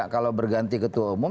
kalau berganti ketua umum